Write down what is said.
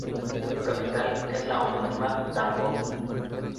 Su capital es la homónima Tambov.